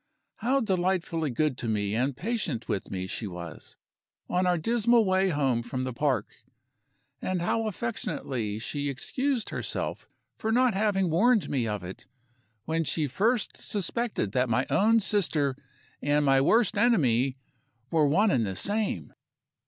How delightfully good to me and patient with me she was, on our dismal way home from the park! And how affectionately she excused herself for not having warned me of it, when she first suspected that my own sister and my worst enemy were one and the same!